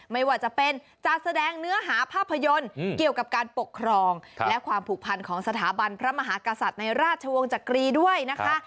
ไม่ว่าจะเป็นจัดแสดงเนื้อหาภาพยนตร์เกี่ยวกับการปกครองและความผูกพันของสถาบันพระมหากษัตริย์ในราชวงศ์จักรีด้วยนะคะ